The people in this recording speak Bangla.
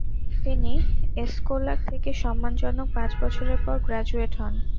তিনি এসকোলা থেকে সম্মানজনক পাঁচ বছরের পর গ্র্যাজুয়েট হন।